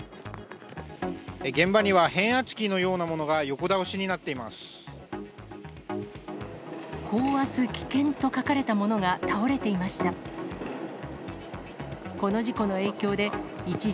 現場には変圧器のようなものが横倒しになっています。